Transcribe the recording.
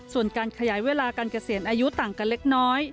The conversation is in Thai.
ส่วนการขยายเวลาการเกษียณอายุต่างกันเล็กน้อย